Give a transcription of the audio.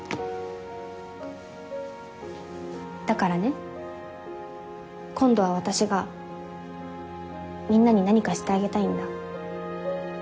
だからね今度は私がみんなに何かしてあげたいんだ。